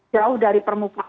jauh dari permukaan